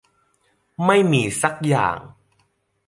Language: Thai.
ไม่มีซักอย่าง